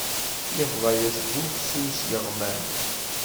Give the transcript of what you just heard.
Iḍla-yas bufsus yeɣman.